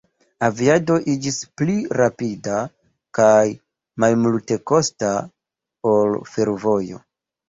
Aviado iĝis pli rapida kaj malmultekosta ol fervojo.